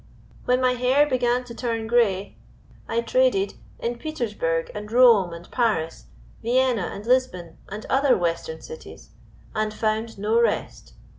When my hair began to turn gray, I traded in Petersburg and Rome and Paris, Vienna and Lisbon and other western cities and found no rest.